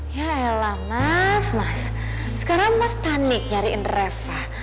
ya elah mas mas sekarang mas panik nyariin reva